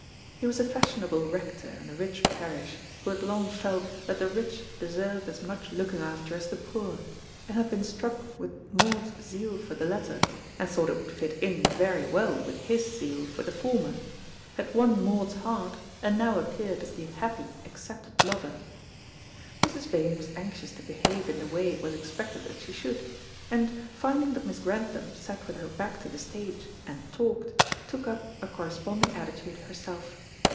He was a fashionable rector in a rich parish, who had long felt that the rich deserved as much looking after as the poor, and had been struck with Maud's zeal for the latter, and thought it would fit in very well with his zeal for the former, had won Maud's heart, and now appeared as the happy accepted lover. Mrs. Vane was anxious to behave in the way it was expected that she should, and, finding that Miss Grantham sat with her back to the stage and talked, took up a corresponding attitude herself.